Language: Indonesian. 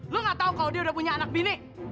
lu gak tau kalau dia udah punya anak bini